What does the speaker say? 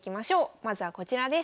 まずはこちらです。